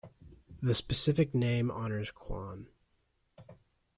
The specific name honours Kuan.